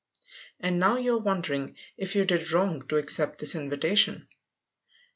And now you are wondering if you did wrong to accept this invitation.